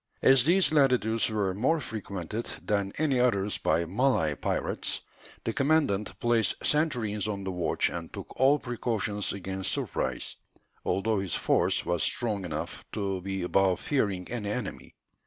As these latitudes were more frequented than any others by Malay pirates, the commandant placed sentries on the watch and took all precautions against surprise, although his force was strong enough to be above fearing any enemy.